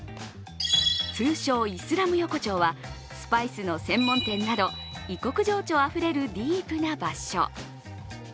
通称・イスラム横丁は、スパイスの専門店など異国情緒あふれるディープな場所。